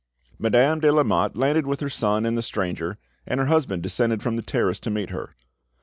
Madame de Lamotte landed with her son and the stranger, and her husband descended from the terrace to meet her.